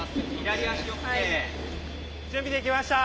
準備できました！